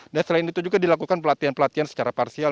dan selain itu juga dilakukan pelatihan pelatihan secara parsial